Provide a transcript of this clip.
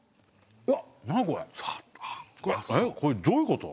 えっこれどういうこと？